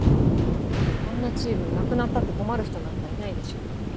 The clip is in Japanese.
あんなチームなくなったって困る人なんかいないでしょ。